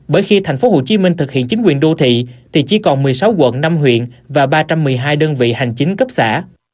bởi khi thành phố hồ chí minh thực hiện chính quyền đô thị thì chỉ còn một mươi sáu quận năm huyện và ba trăm một mươi hai đơn vị hành chính cấp xã